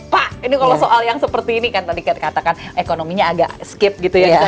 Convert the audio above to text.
pak ini kalau soal yang seperti ini kan tadi katakan ekonominya agak skip gitu ya